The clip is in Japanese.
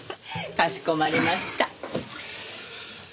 かしこまりました。